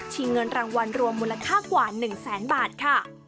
เงินรางวัลรวมมูลค่ากว่า๑แสนบาทค่ะ